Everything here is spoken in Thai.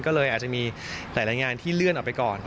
ก็เลยอาจจะมีหลายงานที่เลื่อนออกไปก่อน